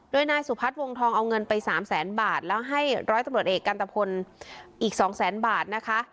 โดยนายสุพัฒน์วงทองเอาเงินไปสามแสนบาทแล้วให้ร้อยตำรวจเอกกันตะพลอีกสองแสนบาทนะคะ